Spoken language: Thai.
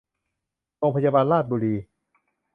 โรงพยาบาลราชบุรี